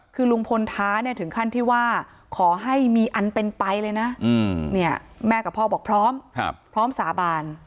คือลุงพลท้าเนี่ยถึงขั้นที่ว่าขอให้มีอันเป็นไปเลยนะแม่กับพ่อบอกพร้อมพร้อมสาบาน